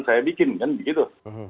saya bikin kan begitu